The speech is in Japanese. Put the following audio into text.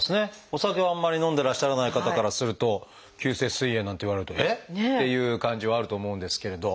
お酒をあんまり飲んでらっしゃらない方からすると急性すい炎なんて言われるとえっ？っていう感じはあると思うんですけれど。